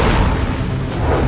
janak terlalu lama